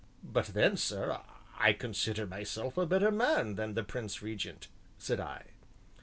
"But then, sir, I consider myself a better man than the Prince Regent," said I.